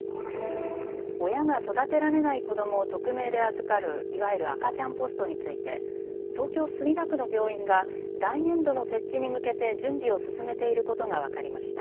親が育てられない子どもを匿名で預かるいわゆる赤ちゃんポストについて東京墨田区の病院が来年度の設置に向けて準備を進めていることが分かりました。